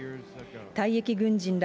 退役軍人ら